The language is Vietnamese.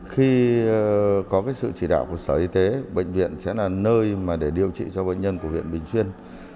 khi có sự chỉ đạo của sở y tế bệnh viện sẽ là nơi để điều trị cho bệnh nhân của huyện bình xuyên